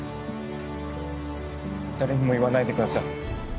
誰にも言わないでください。